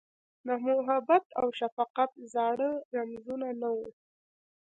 د محبت اوشفقت زاړه رمزونه، نه وه